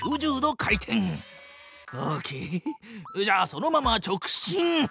じゃあそのまま直進！